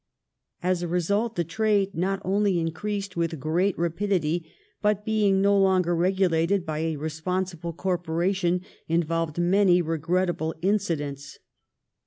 As a result the trade not only increased with great rapidity, but, being no longer regulated by a responsible corporation, involved many regrettable incidents.